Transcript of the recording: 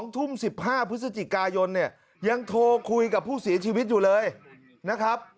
ทุ่ม๑๕พฤศจิกายนเนี่ยยังโทรคุยกับผู้เสียชีวิตอยู่เลยนะครับ